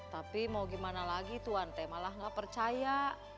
tapi mau gimana lagi tuan teh malah gak percaya